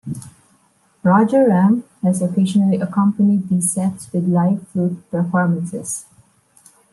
Raja Ram has occasionally accompanied these sets with live flute performances.